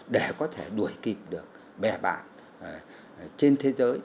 để có thể đuổi kịp được bè bạn trên thế giới